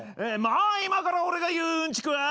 まあ今から俺が言ううんちくは。